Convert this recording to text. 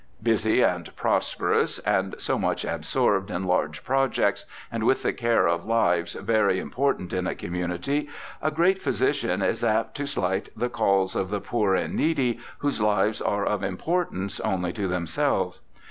Busy and prosperous, and so much absorbed in large projects and with the care of lives very important in a community, a great physician is apt to slight the calls of the poor and needy, whose lives are of importance only to themselves.